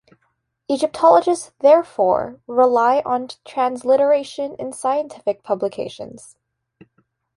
Egyptologists, therefore, rely on transliteration in scientific publications.